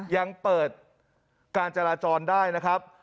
ยังเปิดการจราจรได้นะครับ